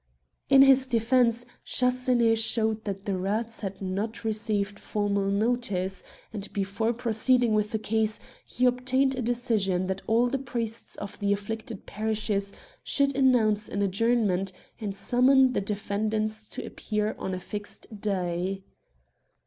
In his defence, Chasseneux showed that the rats had not received formal notice ; and, before pro ceeding with the case, he obtained a decision that all the priests of the afflicted parishes should announce an adjournment, and summon the defend ants to appear on a iixed day.